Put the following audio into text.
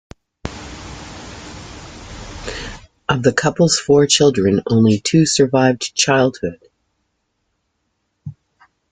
Of the couple's four children only two survived childhood.